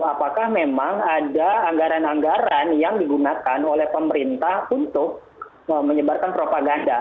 apakah memang ada anggaran anggaran yang digunakan oleh pemerintah untuk menyebarkan propaganda